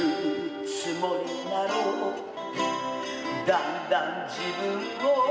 「だんだん自分を」